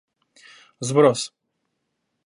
Сброс